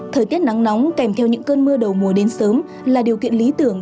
thời tiết nắng nóng kèm theo những cơn mưa đầu mùa đến sớm là điều kiện lý tưởng